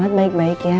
buat baik baik ya